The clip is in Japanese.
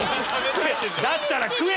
だったら食え！